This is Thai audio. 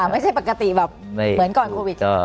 ไม่ใช่ปกติแบบเหมือนก่อนโควิด